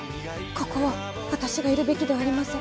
ここは私がいるべきではありません。